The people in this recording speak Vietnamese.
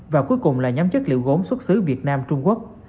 và cuối cùng là nhóm chất liệu gốm xuất xứ việt nam trung quốc